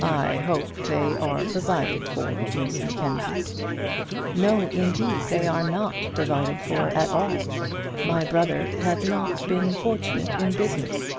"I hope they are provided for, Miss Mackenzie." "No, indeed; they are not provided for at all. My brother had not been fortunate in business."